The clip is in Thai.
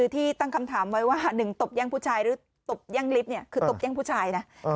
ที่ตั้งคำถามไว้ว่า๑ตบแย่งผู้ชายหรือตบแย่งลิฟต์คือตบแย่งผู้ชายนะ